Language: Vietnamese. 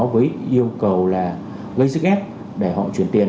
với yêu cầu là gây sức ép để họ chuyển tiền